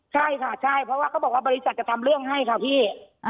ใช่ค่ะใช่เพราะว่าเขาบอกว่าบริษัทจะทำเรื่องให้ค่ะพี่